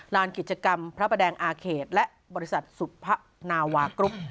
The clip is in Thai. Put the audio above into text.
ลานกิจกรรมพระประแดงอาเขตและบริษัทสุพนาวากรุ๊ป